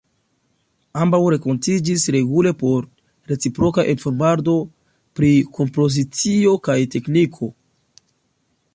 Ambaŭ renkontiĝis regule por reciproka informado pri kompozicio kaj tekniko.